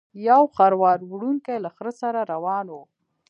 یو خروار وړونکی له خره سره روان و.